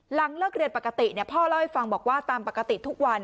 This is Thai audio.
หลังเลิกเรียนปกติพ่อเล่าให้ฟังบอกว่าตามปกติทุกวัน